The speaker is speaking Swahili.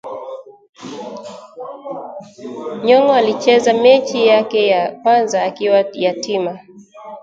Nyong'o alicheza mechi yake ya kwanza akiwa yatima